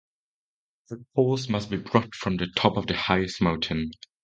The poles must be brought from the top of the highest mountain.